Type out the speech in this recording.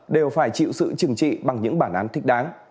đều phải chịu sự trừng trị bằng những bản án thích đáng